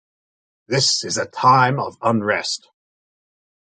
This is a time of unrest.